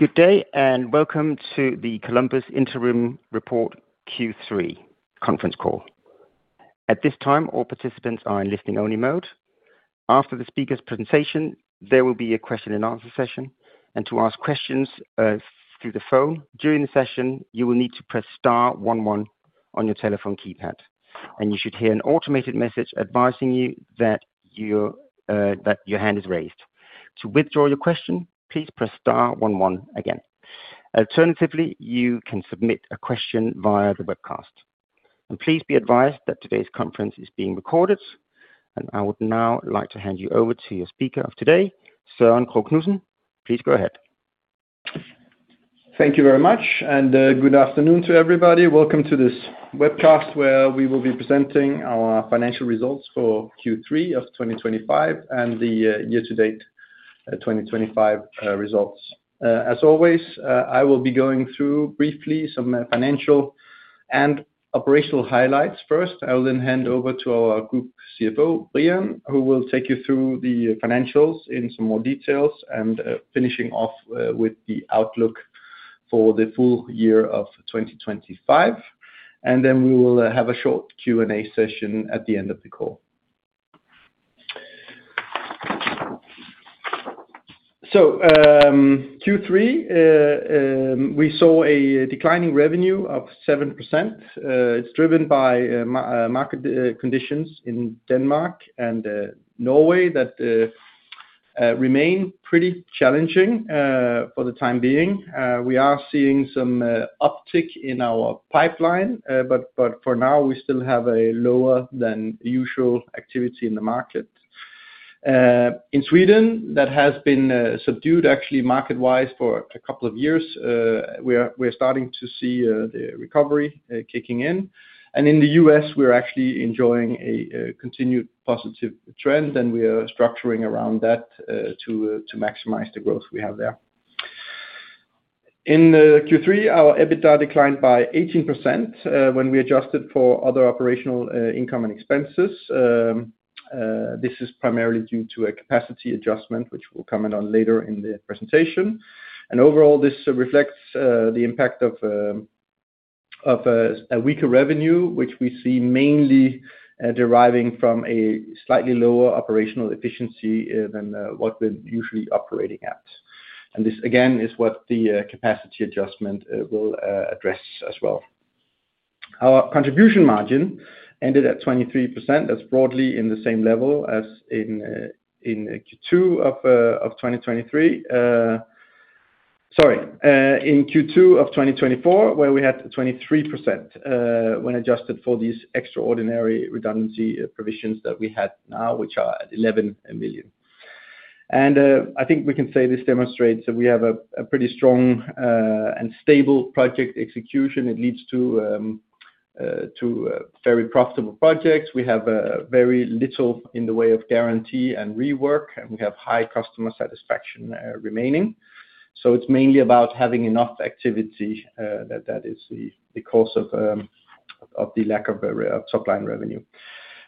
Good day and welcome to the Columbus Interim Report Q3 conference call. At this time, all participants are in listening-only mode. After the speaker's presentation, there will be a question-and-answer session, and to ask questions through the phone during the session, you will need to press Star one one on your telephone keypad, and you should hear an automated message advising you that your hand is raised. To withdraw your question, please press Star one one again. Alternatively, you can submit a question via the webcast. Please be advised that today's conference is being recorded, and I would now like to hand you over to your speaker of today, Søren Krogh Knudsen. Please go ahead. Thank you very much, and good afternoon to everybody. Welcome to this webcast, where we will be presenting our financial results for Q3 of 2025 and the year-to-date 2025 results. As always, I will be going through briefly some financial and operational highlights first. I will then hand over to our Group CFO, Brian, who will take you through the financials in some more details and finishing off with the outlook for the full year of 2025. We will have a short Q&A session at the end of the call. Q3, we saw a declining revenue of 7%. It is driven by market conditions in Denmark and Norway that remain pretty challenging for the time being. We are seeing some uptick in our pipeline, but for now, we still have a lower-than-usual activity in the market. In Sweden, that has been subdued, actually, market-wise for a couple of years. We're starting to see the recovery kicking in. In the U.S., we're actually enjoying a continued positive trend, and we are structuring around that to maximize the growth we have there. In Q3, our EBITDA declined by 18% when we adjusted for other operational income and expenses. This is primarily due to a capacity adjustment, which we'll comment on later in the presentation. Overall, this reflects the impact of a weaker revenue, which we see mainly deriving from a slightly lower operational efficiency than what we're usually operating at. This, again, is what the capacity adjustment will address as well. Our contribution margin ended at 23%. That's broadly in the same level as in Q2 of 2023. Sorry, in Q2 of 2024, where we had 23% when adjusted for these extraordinary redundancy provisions that we had now, which are at 11 million. I think we can say this demonstrates that we have a pretty strong and stable project execution. It leads to very profitable projects. We have very little in the way of guarantee and rework, and we have high customer satisfaction remaining. It is mainly about having enough activity that is the cause of the lack of top-line revenue.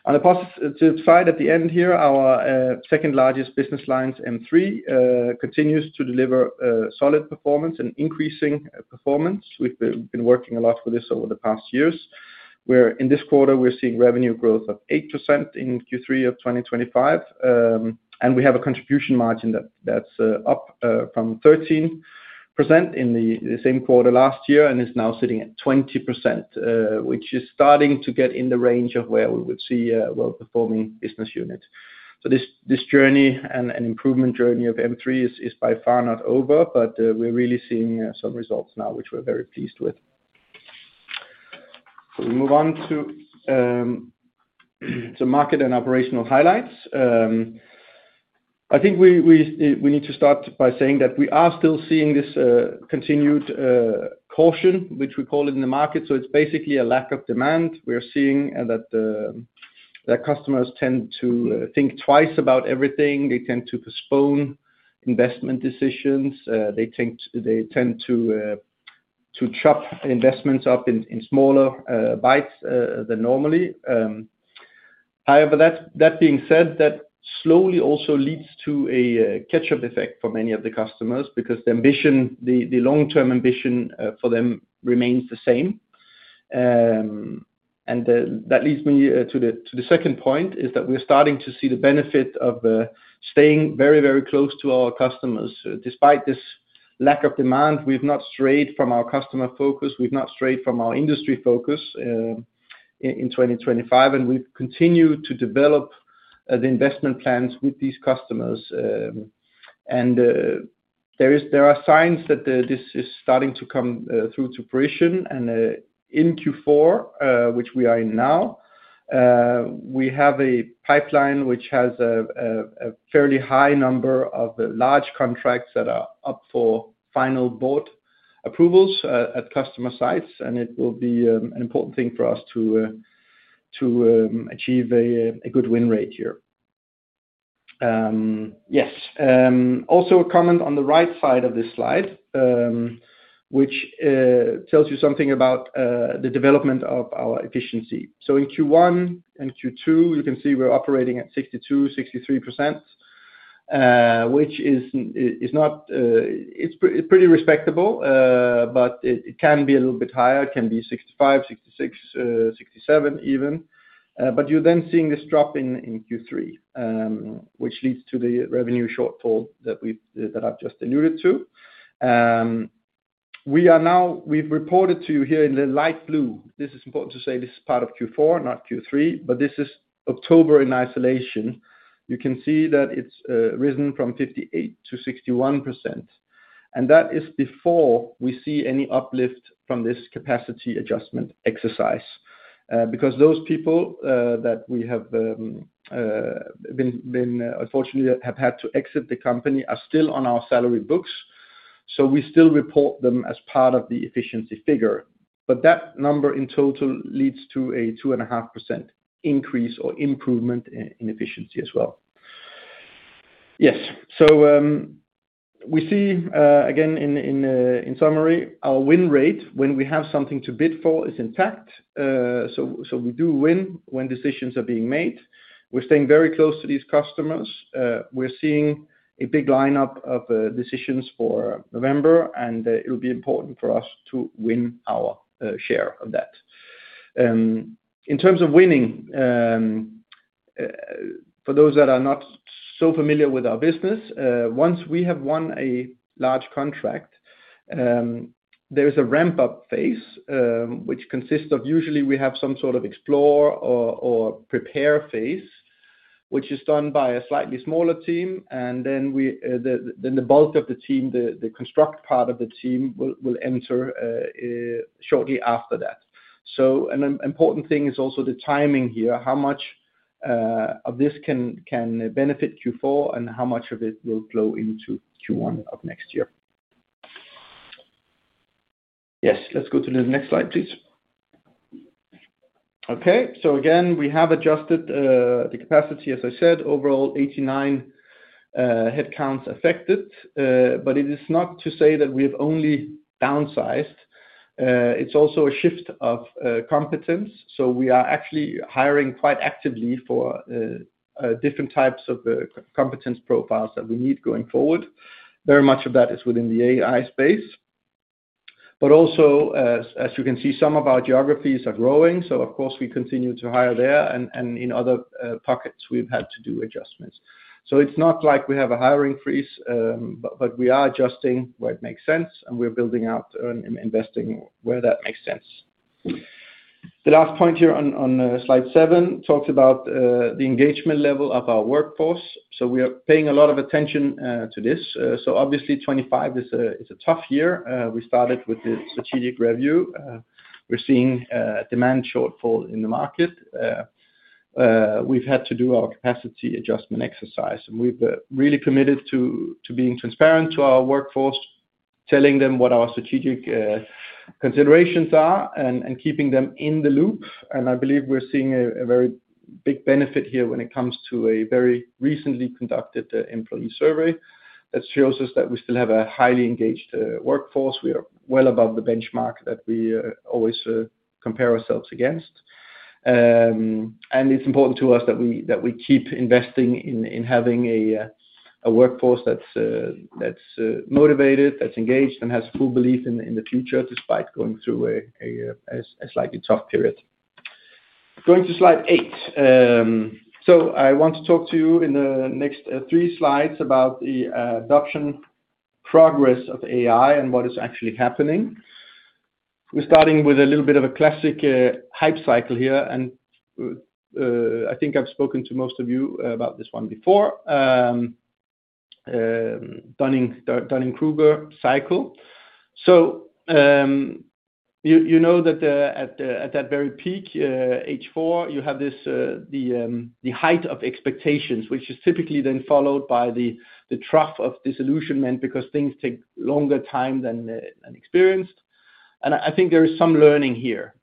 On the positive side at the end here, our second-largest business line, M3, continues to deliver solid performance and increasing performance. We have been working a lot with this over the past years. In this quarter, we are seeing revenue growth of 8% in Q3 of 2025. We have a contribution margin that's up from 13% in the same quarter last year and is now sitting at 20%, which is starting to get in the range of where we would see a well-performing business unit. This journey and improvement journey of M3 is by far not over, but we're really seeing some results now, which we're very pleased with. We move on to market and operational highlights. I think we need to start by saying that we are still seeing this continued caution, which we call it in the market. It's basically a lack of demand. We're seeing that customers tend to think twice about everything. They tend to postpone investment decisions. They tend to chop investments up in smaller bites than normally. However, that being said, that slowly also leads to a catch-up effect for many of the customers because the. Long-term ambition for them remains the same. That leads me to the second point, we are starting to see the benefit of staying very, very close to our customers. Despite this lack of demand, we have not strayed from our customer focus. We have not strayed from our industry focus. In 2025, we have continued to develop the investment plans with these customers. There are signs that this is starting to come through to fruition. In Q4, which we are in now, we have a pipeline which has a fairly high number of large contracts that are up for final board approvals at customer sites, and it will be an important thing for us to achieve a good win rate here. Yes, also, a comment on the right side of this slide, which tells you something about the development of our efficiency. In Q1 and Q2, you can see we're operating at 62%-63%. Which is not, it's pretty respectable, but it can be a little bit higher. It can be 65%-66%-67% even. You're then seeing this drop in Q3, which leads to the revenue shortfall that I've just alluded to. We've reported to you here in the light blue. This is important to say this is part of Q4, not Q3, but this is October in isolation. You can see that it's risen from 58% to 61%. That is before we see any uplift from this capacity adjustment exercise because those people that we have unfortunately have had to exit the company are still on our salary books. We still report them as part of the efficiency figure. That number in total leads to a 2.5% increase or improvement in efficiency as well. Yes. We see, again, in summary, our win rate when we have something to bid for is intact. We do win when decisions are being made. We're staying very close to these customers. We're seeing a big lineup of decisions for November, and it will be important for us to win our share of that. In terms of winning, for those that are not so familiar with our business, once we have won a large contract, there is a ramp-up phase which consists of usually we have some sort of explore or prepare phase, which is done by a slightly smaller team. Then the bulk of the team, the construct part of the team, will enter shortly after that. An important thing is also the timing here, how much of this can benefit Q4 and how much of it will flow into Q1 of next year. Yes. Let's go to the next slide, please. Okay. Again, we have adjusted the capacity, as I said, overall 89 headcounts affected, but it is not to say that we have only downsized. It is also a shift of competence. We are actually hiring quite actively for different types of competence profiles that we need going forward. Very much of that is within the AI space. Also, as you can see, some of our geographies are growing. Of course, we continue to hire there, and in other pockets, we've had to do adjustments. It is not like we have a hiring freeze, but we are adjusting where it makes sense, and we are building out and investing where that makes sense. The last point here on slide 7 talks about the engagement level of our workforce. We are paying a lot of attention to this. Obviously, 2025 is a tough year. We started with the strategic review. We are seeing a demand shortfall in the market. We have had to do our capacity adjustment exercise, and we have really committed to being transparent to our workforce, telling them what our strategic considerations are and keeping them in the loop. I believe we are seeing a very big benefit here when it comes to a very recently conducted employee survey that shows us that we still have a highly engaged workforce. We are well above the benchmark that we always compare ourselves against. It is important to us that we keep investing in having a workforce that is motivated, that is engaged, and has full belief in the future despite going through a slightly tough period. Going to slide 8. I want to talk to you in the next three slides about the adoption progress of AI and what is actually happening. We're starting with a little bit of a classic hype cycle here, and I think I've spoken to most of you about this one before. Dunning-Kruger cycle. You know that at that very peak, H4, you have the height of expectations, which is typically then followed by the trough of disillusionment because things take longer time than experienced. I think there is some learning here.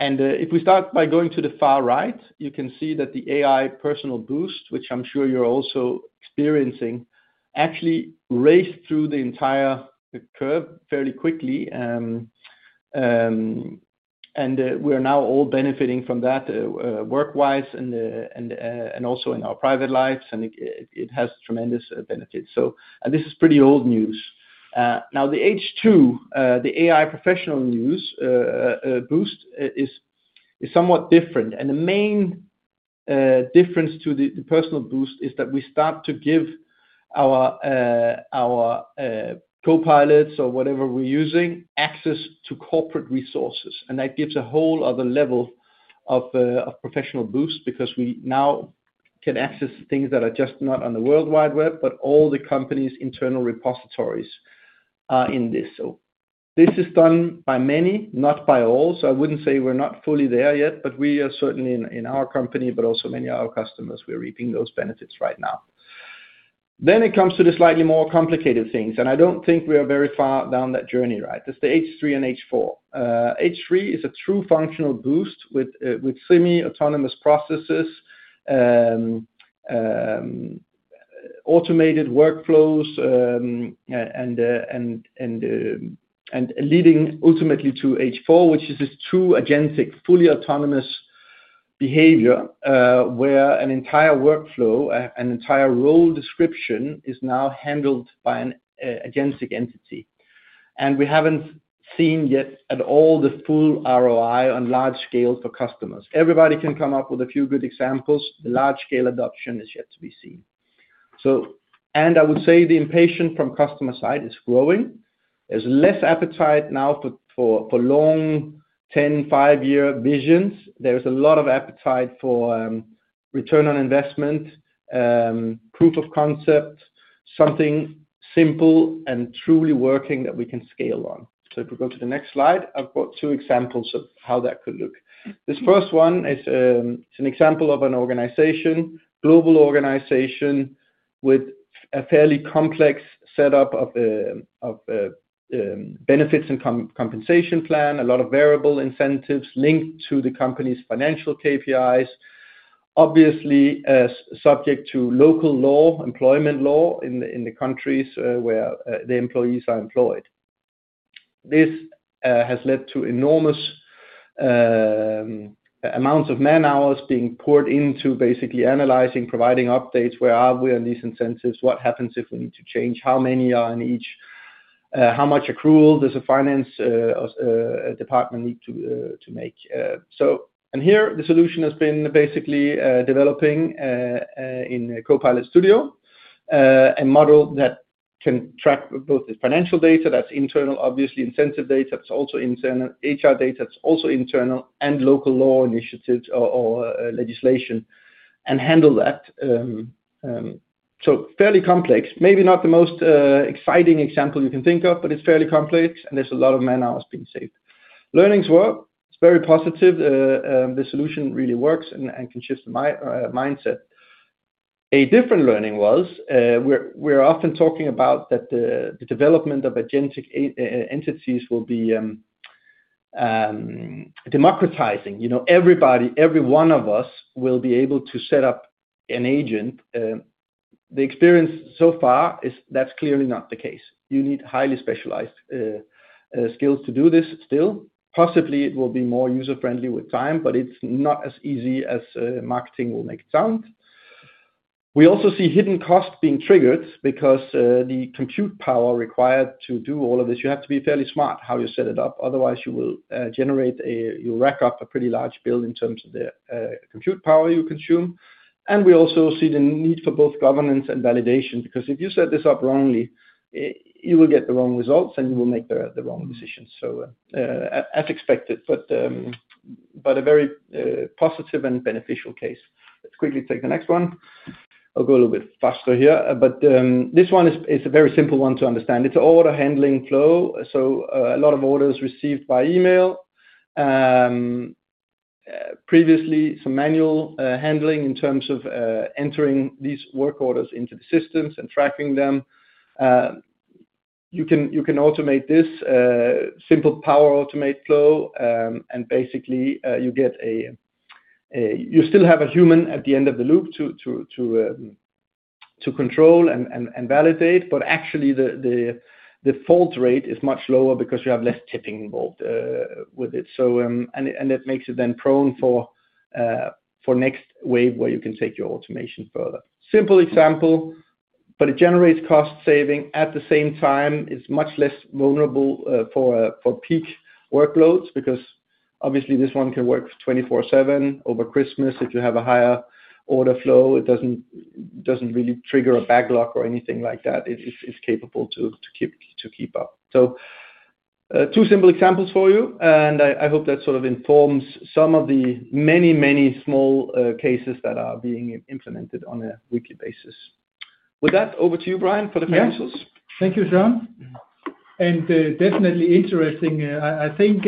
If we start by going to the far right, you can see that the AI personal boost, which I'm sure you're also experiencing, actually raced through the entire curve fairly quickly. We are now all benefiting from that work-wise and also in our private lives, and it has tremendous benefits. This is pretty old news. Now, the H2, the AI professional boost, is somewhat different. The main difference to the personal boost is that we start to give our Copilots or whatever we are using access to corporate resources. That gives a whole other level of professional boost because we now can access things that are just not on the World Wide Web, but all the company's internal repositories. This is done by many, not by all. I would not say we are fully there yet, but we are certainly in our company, but also many of our customers, we are reaping those benefits right now. It comes to the slightly more complicated things. I do not think we are very far down that journey, right? It is the H3 and H4. H3 is a true functional boost with semi-autonomous processes. Automated workflows. Leading ultimately to H4, which is this true agentic, fully autonomous behavior where an entire workflow, an entire role description is now handled by an agentic entity. We have not seen yet at all the full ROI on large scale for customers. Everybody can come up with a few good examples. The large-scale adoption is yet to be seen. I would say the impatience from customer side is growing. There is less appetite now for long 10, 5-year visions. There is a lot of appetite for return on investment, proof of concept, something simple and truly working that we can scale on. If we go to the next slide, I have got two examples of how that could look. This first one is an example of an organization, global organization with a fairly complex setup of. Benefits and compensation plan, a lot of variable incentives linked to the company's financial KPIs, obviously subject to local law, employment law in the countries where the employees are employed. This has led to enormous amounts of man-hours being poured into basically analyzing, providing updates, where are we on these incentives, what happens if we need to change, how many are in each. How much accrual does a finance department need to make. Here, the solution has been basically developing in Copilot Studio a model that can track both the financial data that's internal, obviously, incentive data, that's also internal, HR data, that's also internal, and local law initiatives or legislation and handle that. Fairly complex. Maybe not the most exciting example you can think of, but it's fairly complex, and there's a lot of man-hours being saved. Learnings were it's very positive. The solution really works and can shift the mindset. A different learning was, we're often talking about that the development of agentic entities will be democratizing. Everybody, every one of us will be able to set up an agent. The experience so far is that's clearly not the case. You need highly specialized skills to do this still. Possibly, it will be more user-friendly with time, but it's not as easy as marketing will make it sound. We also see hidden costs being triggered because the compute power required to do all of this, you have to be fairly smart how you set it up. Otherwise, you will rack up a pretty large bill in terms of the compute power you consume. We also see the need for both governance and validation because if you set this up wrongly, you will get the wrong results and you will make the wrong decisions. As expected, but a very positive and beneficial case. Let's quickly take the next one. I'll go a little bit faster here. This one is a very simple one to understand. It's an order handling flow. A lot of orders received by email. Previously, some manual handling in terms of entering these work orders into the systems and tracking them. You can automate this, simple Power Automate Flow, and basically, you get a—you still have a human at the end of the loop to control and validate, but actually, the fault rate is much lower because you have less typing involved with it. It makes it then prone for. Next wave, where you can take your automation further. Simple example, but it generates cost saving at the same time. It's much less vulnerable for peak workloads because, obviously, this one can work 24/7 over Christmas. If you have a higher-order flow, it doesn't really trigger a backlog or anything like that. It's capable to keep up. Two simple examples for you, and I hope that sort of informs some of the many, many small cases that are being implemented on a weekly basis. With that, over to you, Brian, for the financials. Yeah. Thank you, Søren. And definitely interesting. I think.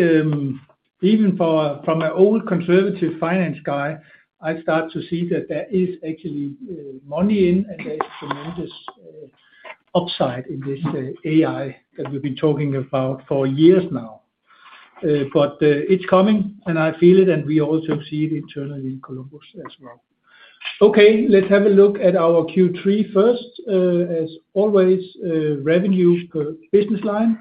Even from an old conservative finance guy, I start to see that there is actually money in, and there is tremendous upside in this AI that we've been talking about for years now. It is coming, and I feel it, and we also see it internally in Columbus as well. Okay. Let's have a look at our Q3 first. As always, revenue per business line.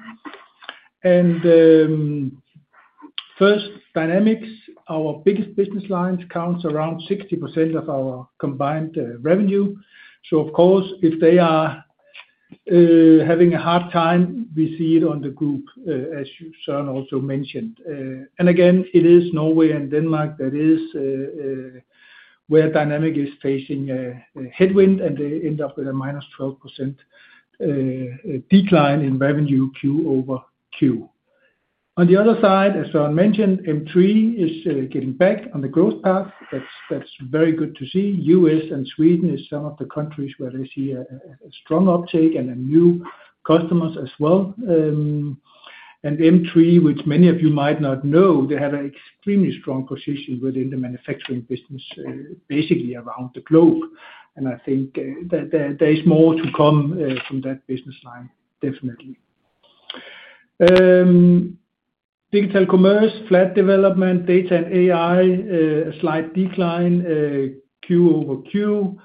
First, Dynamics. Our biggest business lines count around 60% of our combined revenue. Of course, if they are having a hard time, we see it on the group, as Søren also mentioned. Again, it is Norway and Denmark that is where Dynamics is facing a headwind, and they end up with a -12% decline in revenue QoQ. On the other side, as Søren mentioned, M3 is getting back on the growth path. That is very good to see. United States and Sweden are some of the countries where they see a strong uptake and new customers as well. M3, which many of you might not know, they had an extremely strong position within the manufacturing business, basically around the globe. I think there is more to come from that business line, definitely. Digital Commerce, flat development. Data and AI, a slight decline, QoQ.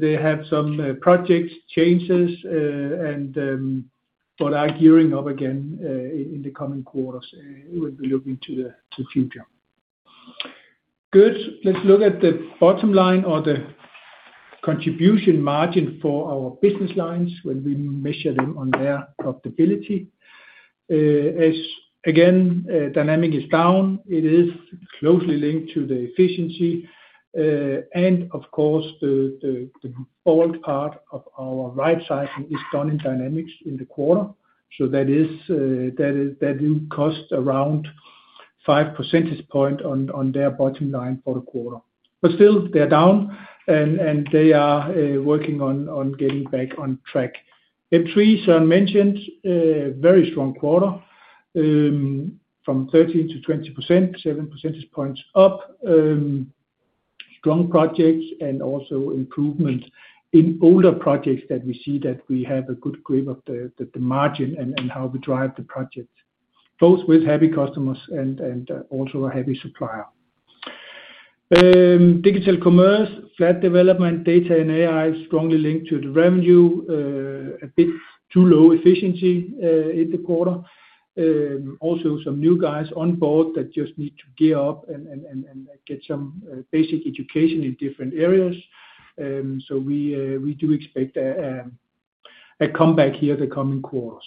They have some project changes but are gearing up again in the coming quarters. We'll be looking to the future. Good. Let's look at the bottom line or the Contribution Margin for our business lines when we measure them on their profitability. Again, Dynamics is down. It is closely linked to the efficiency. Of course, the bulk part of our right side is done in Dynamics in the quarter. That will cost around 5 percentage points on their bottom line for the quarter. Still, they're down, and they are working on getting back on track. M3, Søren mentioned, very strong quarter. From 13% to 20%, 7 percentage points up. Strong projects and also improvement in older projects, that we see that we have a good grip of the margin and how we drive the project, both with happy customers and also a happy supplier. Digital Commerce, flat development, Data and AI strongly linked to the revenue, a bit too low efficiency in the quarter. Also, some new guys on board that just need to gear up and get some basic education in different areas. We do expect a comeback here the coming quarters.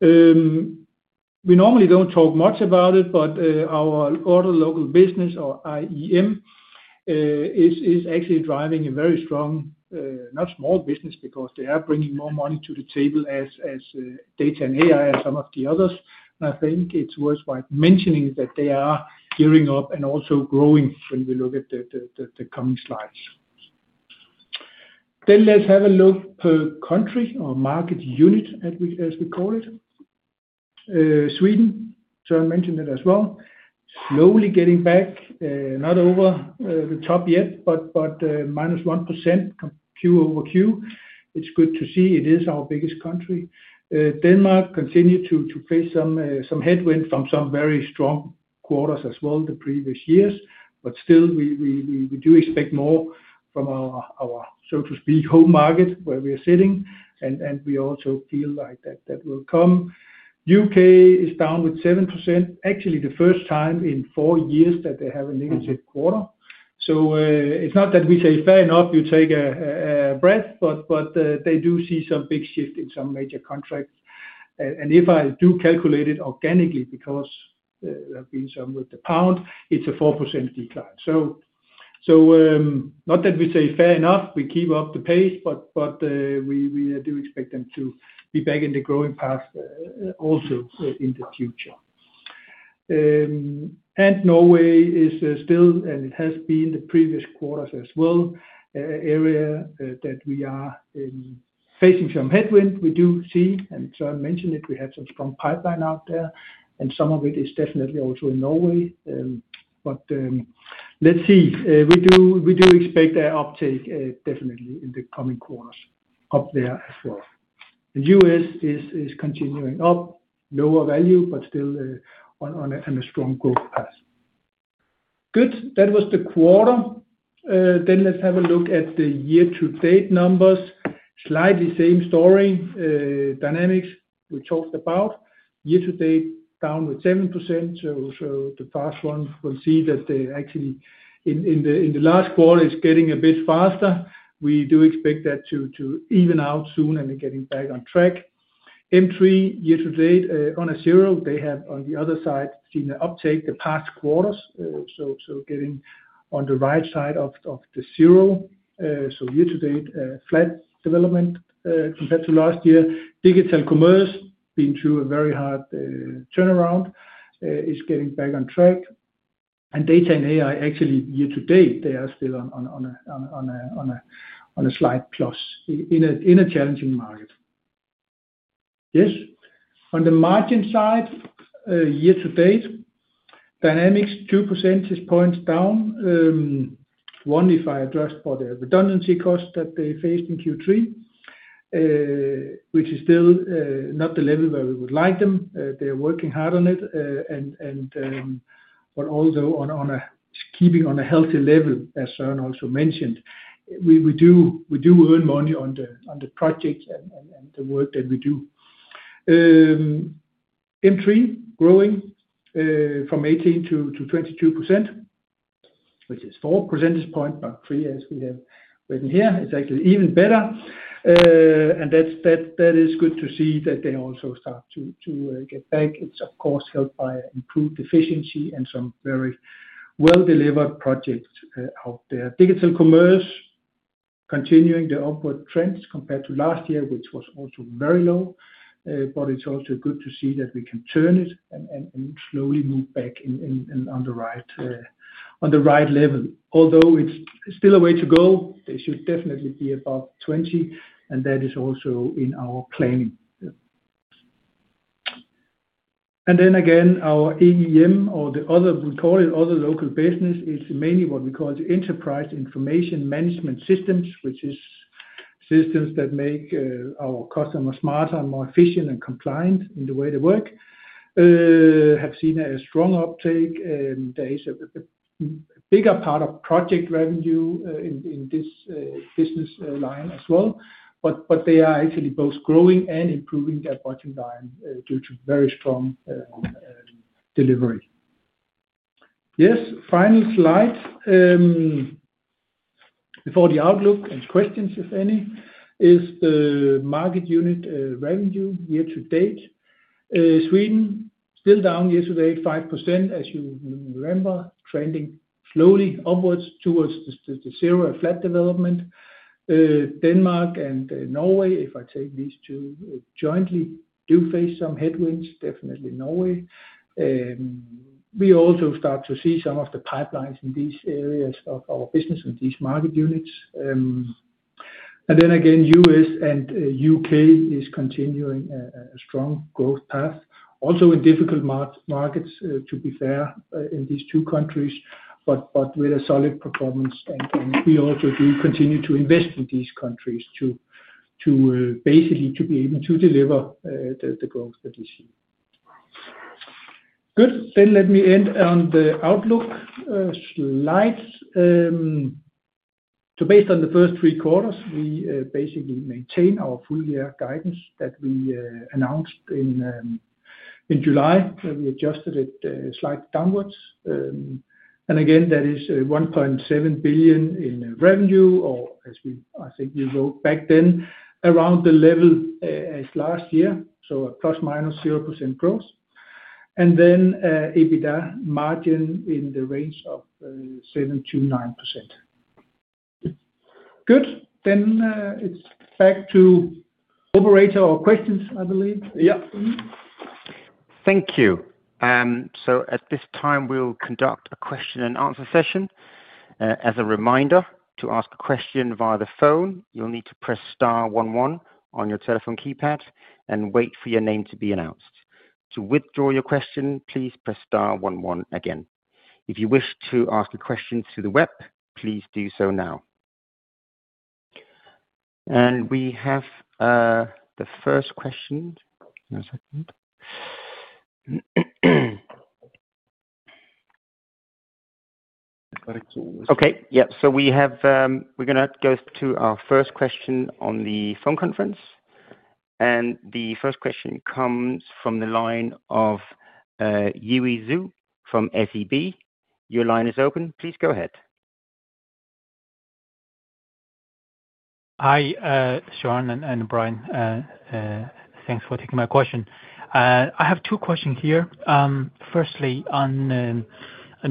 We normally do not talk much about it, but our order local business or EEM is actually driving a very strong, not small business, because they are bringing more money to the table as Data and AI and some of the others. I think it is worth mentioning that they are gearing up and also growing when we look at the coming slides. Let us have a look per country or market unit, as we call it. Sweden, Søren mentioned it as well, slowly getting back, not over the top yet, but minus 1% QoQ. It is good to see. It is our biggest country. Denmark continued to face some headwind from some very strong quarters as well the previous years. Still, we do expect more from our, so to speak, home market where we are sitting. We also feel like that will come. U.K. is down with 7%, actually the first time in four years that they have a negative quarter. It is not that we say, "Fair enough, you take a breath," but they do see some big shift in some major contracts. If I do calculate it organically, because there have been some with the pound, it's a 4% decline. Not that we say, "Fair enough, we keep up the pace," but we do expect them to be back in the growing path also in the future. Norway is still, and it has been the previous quarters as well, an area that we are facing some headwind. We do see, and Søren mentioned it, we had some strong pipeline out there, and some of it is definitely also in Norway. Let's see. We do expect that uptake, definitely, in the coming quarters up there as well. U.S. is continuing up, lower value, but still on a strong growth path. Good. That was the quarter. Let's have a look at the year-to-date numbers. Slightly same story. Dynamics, we talked about, year-to-date down with 7%. The fast one, we'll see that actually. In the last quarter, it's getting a bit faster. We do expect that to even out soon and getting back on track. M3, year-to-date on a zero. They have, on the other side, seen an uptake the past quarters. So getting on the right side of the zero. Year-to-date flat development compared to last year. Digital Commerce, been through a very hard turnaround. Is getting back on track. Data and AI, actually, year-to-date, they are still on. A slight plus in a challenging market. Yes. On the margin side, year-to-date. Dynamics, 2% points down. One if I addressed for the redundancy cost that they faced in Q3. Which is still not the level where we would like them. They are working hard on it. Although on a keeping on a healthy level, as Søren also mentioned, we do earn money on the project and the work that we do. M3, growing. From 18% to 22%. Which is 4 percentage points, but 3, as we have written here. It's actually even better. And that is good to see that they also start to get back. It's, of course, helped by improved efficiency and some very well-delivered projects out there. Digital Commerce. Continuing the upward trends compared to last year, which was also very low. But it's also good to see that we can turn it and slowly move back on the right. Level. Although it's still a way to go, they should definitely be above 20%, and that is also in our planning. Our EEM, or we call it other local business, is mainly what we call the enterprise information management systems, which is systems that make our customers smarter and more efficient and compliant in the way they work. Have seen a strong uptake. There is a bigger part of project revenue in this business line as well. They are actually both growing and improving their bottom line due to very strong delivery. Yes. Final slide before the outlook and questions, if any, is the market unit revenue year-to-date. Sweden, still down year-to-date 5%, as you remember, trending slowly upwards towards the zero or flat development. Denmark and Norway, if I take these two jointly, do face some headwinds, definitely Norway. We also start to see some of the pipelines in these areas of our business and these market units. U.S. and U.K. is continuing a strong growth path, also in difficult markets, to be fair, in these two countries, but with a solid performance. We also do continue to invest in these countries to basically be able to deliver the growth that we see. Good. Let me end on the outlook slides. Based on the first three quarters, we basically maintain our full-year guidance that we announced in July. We adjusted it slightly downwards. That is 1.7 billion in revenue, or as I think we wrote back then, around the level as last year, so plus minus 0% growth. EBITDA margin in the range of 7%-9%. Good. It is back to operator or questions, I believe. Yeah. Thank you. At this time, we'll conduct a question-and-answer session. As a reminder, to ask a question via the phone, you'll need to press star one one on your telephone keypad and wait for your name to be announced. To withdraw your question, please press star one one again. If you wish to ask a question through the web, please do so now. We have the first question. One second. Okay. Yep. We are going to go to our first question on the phone conference. The first question comes from the line of Yiwei Zhou from SEB. Your line is open. Please go ahead. Hi, Søren and Brian. Thanks for taking my question. I have two questions here. Firstly, on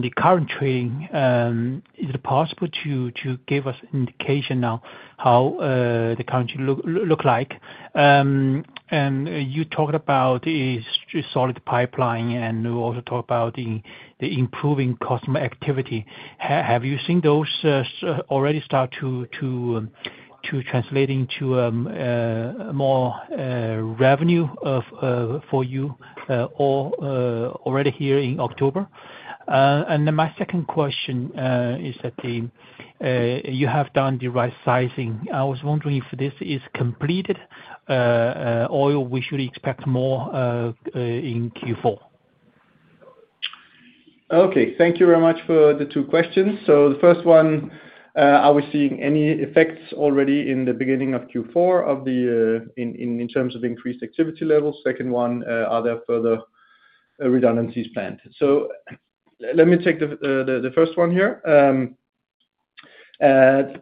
the current trading. Is it possible to give us an indication now how the current trade looks like? You talked about a solid pipeline, and we also talked about the improving customer activity. Have you seen those already start to translate into more revenue for you already here in October? My second question is that you have done the right sizing. I was wondering if this is completed or we should expect more in Q4? Thank you very much for the two questions. The first one, are we seeing any effects already in the beginning of Q4 in terms of increased activity levels? The second one, are there further redundancies planned? Let me take the first one here.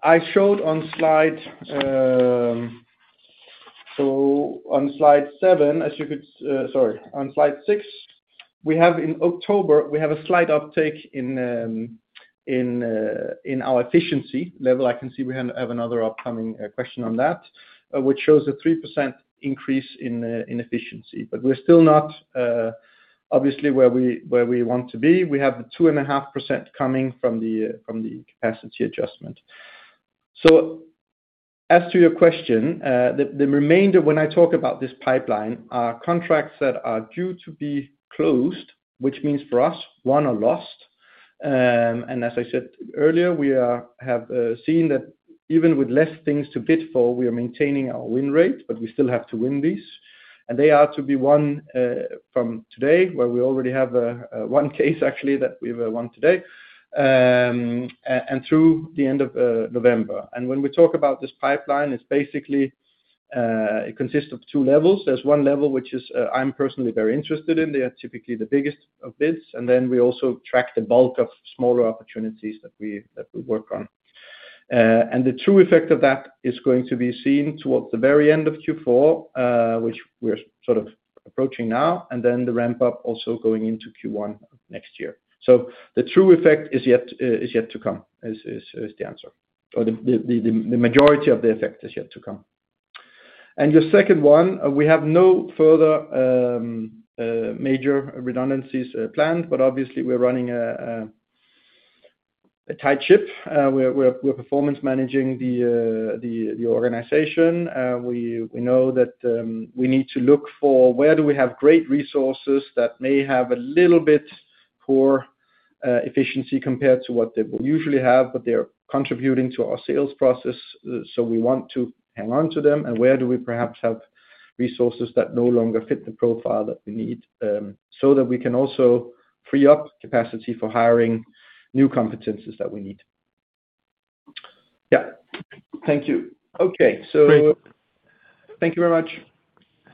I showed on slide—on slide seven, as you could—sorry, on slide six, we have in October, we have a slight uptake in our efficiency level. I can see we have another upcoming question on that, which shows a 3% increase in efficiency. We are still not obviously where we want to be. We have the 2.5% coming from the capacity adjustment. As to your question, the remainder when I talk about this pipeline are contracts that are due to be closed, which means for us, won or lost. As I said earlier, we have seen that even with less things to bid for, we are maintaining our win rate, but we still have to win these. They are to be won from today, where we already have one case, actually, that we have won today, through the end of November. When we talk about this pipeline, it is basically, it consists of two levels. There is one level, which I am personally very interested in. They are typically the biggest of bids. We also track the bulk of smaller opportunities that we work on. The true effect of that is going to be seen towards the very end of Q4, which we are sort of approaching now, and then the ramp-up also going into Q1 next year. The true effect is yet to come, is the answer. The majority of the effect is yet to come. Your second one, we have no further major redundancies planned, but obviously, we are running a tight ship. We are performance managing the organization. We know that we need to look for where we have great resources that may have a little bit poor efficiency compared to what they will usually have, but they are contributing to our sales process. We want to hang on to them. Where do we perhaps have resources that no longer fit the profile that we need so that we can also free up capacity for hiring new competencies that we need? Yeah. Thank you. Okay. Thank you very much.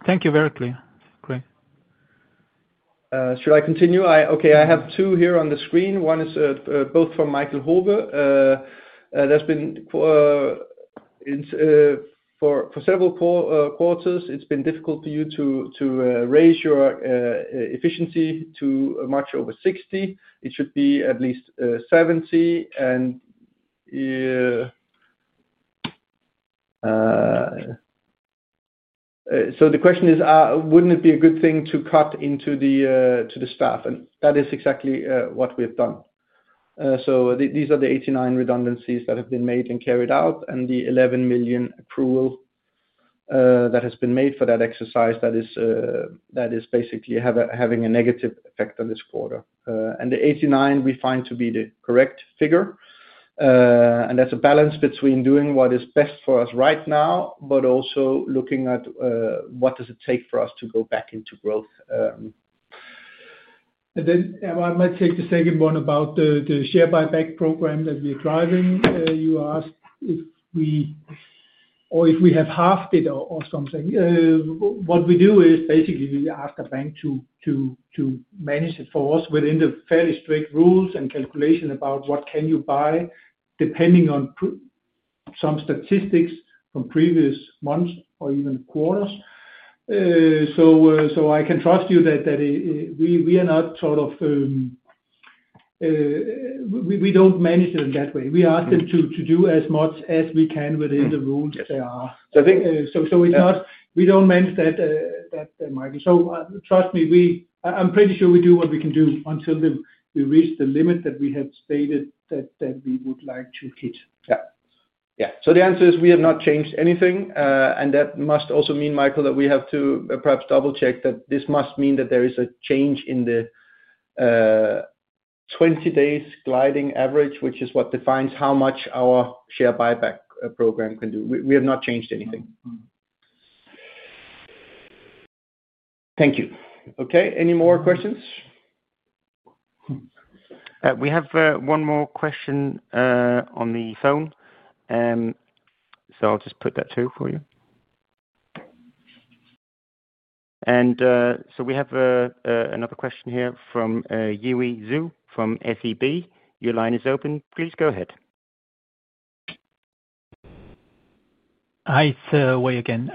Thank you. Very clear. Great. Should I continue? Okay. I have two here on the screen. One is both from Michael Honoré. For several quarters, it has been difficult for you to raise your efficiency to much over 60%. It should be at least 70%. The question is, would it not be a good thing to cut into the staff? That is exactly what we have done. These are the 89 redundancies that have been made and carried out, and the 11 million accrual that has been made for that exercise. That is basically having a negative effect on this quarter. The 89, we find to be the correct figure. That is a balance between doing what is best for us right now, but also looking at what does it take for us to go back into growth. I might take the second one about the share buyback program that we are driving. You asked if we, or if we have halved it or something. What we do is basically we ask a bank to manage it for us within the fairly strict rules and calculation about what can you buy depending on some statistics from previous months or even quarters. I can trust you that we are not sort of, we do not manage it in that way. We ask them to do as much as we can within the rules they are. It is not, we do not manage that. Michael. Trust me, I'm pretty sure we do what we can do until we reach the limit that we have stated that we would like to hit. Yeah. Yeah. The answer is we have not changed anything. That must also mean, Michael, that we have to perhaps double-check that this must mean that there is a change in the 20-day sliding average, which is what defines how much our share buyback program can do. We have not changed anything. Thank you. Okay. Any more questions? We have one more question on the phone. I'll just put that through for you. We have another question here from Yiwei Zhou from SEB. Your line is open. Please go ahead. Hi, Wei again.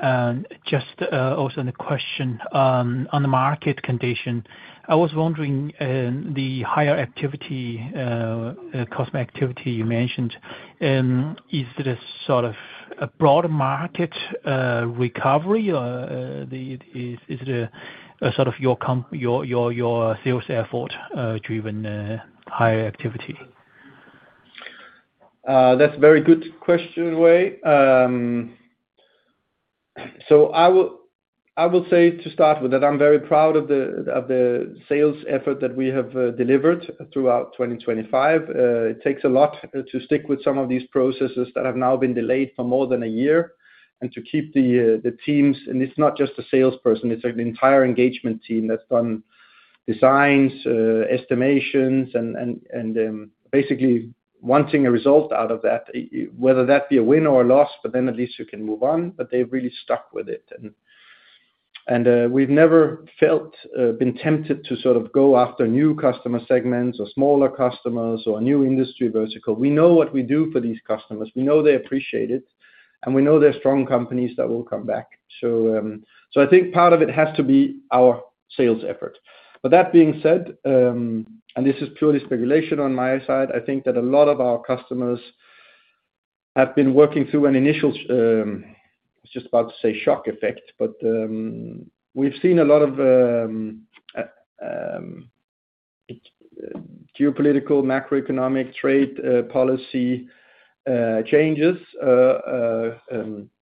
Just also on the question on the market condition, I was wondering, the higher activity. Customer activity you mentioned. Is this sort of a broader market recovery, or is it sort of your sales effort-driven higher activity? That's a very good question, Wei. I will say to start with that I'm very proud of the sales effort that we have delivered throughout 2025. It takes a lot to stick with some of these processes that have now been delayed for more than a year and to keep the teams, and it's not just a salesperson. It's an entire engagement team that's done designs, estimations, and basically wanting a result out of that, whether that be a win or a loss, but then at least you can move on. They've really stuck with it. We've never felt tempted to sort of go after new customer segments or smaller customers or a new industry vertical. We know what we do for these customers. We know they appreciate it, and we know they're strong companies that will come back. I think part of it has to be our sales effort. That being said, and this is purely speculation on my side, I think that a lot of our customers have been working through an initial—I was just about to say shock effect, but we've seen a lot of geopolitical, macroeconomic, trade policy changes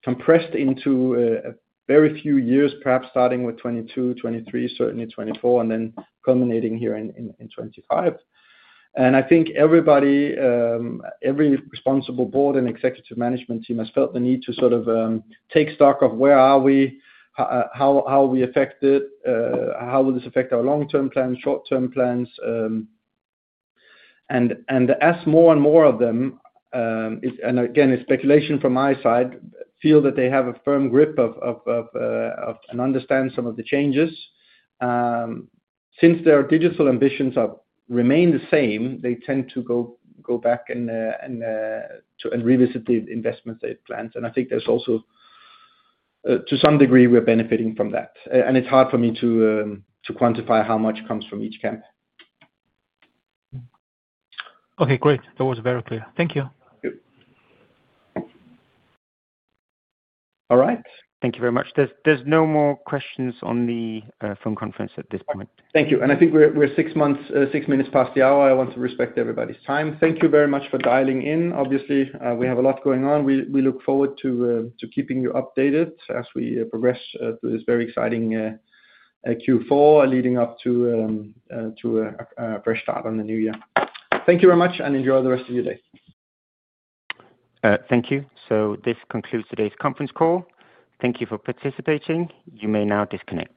compressed into very few years, perhaps starting with 2022, 2023, certainly 2024, and then culminating here in 2025. I think everybody, every responsible board and executive management team has felt the need to sort of take stock of where are we, how are we affected, how will this affect our long-term plans, short-term plans. As more and more of them—and again, it's speculation from my side—feel that they have a firm grip of. Understand some of the changes. Since their digital ambitions have remained the same, they tend to go back and revisit the investments they've planned. I think there's also, to some degree, we're benefiting from that. It's hard for me to quantify how much comes from each camp. Okay. Great. That was very clear. Thank you. All right. Thank you very much. There's no more questions on the phone conference at this point. Thank you. I think we're six minutes past the hour. I want to respect everybody's time. Thank you very much for dialing in. Obviously, we have a lot going on. We look forward to keeping you updated as we progress through this very exciting Q4, leading up to a fresh start on the new year. Thank you very much, and enjoy the rest of your day. Thank you. This concludes today's conference call. Thank you for participating. You may now disconnect.